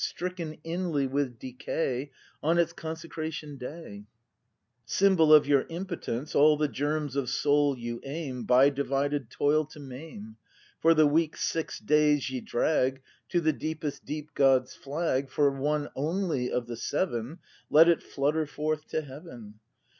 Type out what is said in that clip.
Stricken inly with decay On its consecration day, — Symbol of your impotence All the germs of soul you aim By divided toil to maim; For the week's six days ye drag To the deepest deep God's flag. For one only of the seven. Let it flutter forth to heaven!